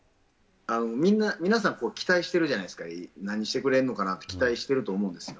皆さん期待してるじゃないですか、何してくれるのかなって、期待してると思うんですよ。